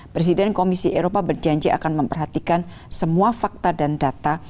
presiden komisi eropa berjanji akan memperhatikan semua fakta dan data